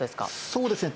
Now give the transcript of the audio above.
そうですね。